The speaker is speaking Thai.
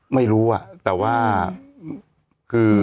ไม่รู้แต่ว่าคือ